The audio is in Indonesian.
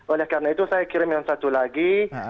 oleh karena itu saya kirim yang satu lagi